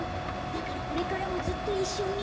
だからこれからもずっといっしょに。